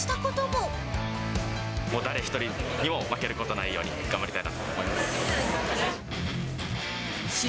もう誰一人にも負けることのないように、頑張りたいなと思います。